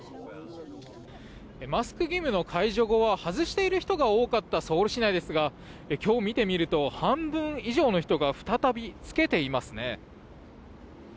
マスク義務の解除後は外している人が多かったソウル市内ですが今日、見てみると半分以上の人が再び着けていますね。